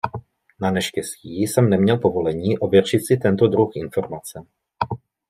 Naneštěstí jsem neměl povolení ověřit si tento druh informace.